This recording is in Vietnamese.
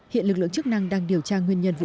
hiện lực lượng chức năng đang điều tra nguyên nhân vụ